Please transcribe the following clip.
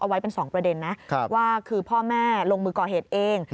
ไว้เป็น๒ประเด็นนะว่าคือพ่อแม่ลงมือก่อเหตุเอง